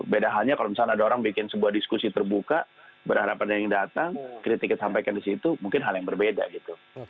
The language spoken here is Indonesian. beda halnya kalau misalnya ada orang bikin sebuah diskusi terbuka berharapan yang datang kritik yang disampaikan disitu mungkin hal yang berbeda gitu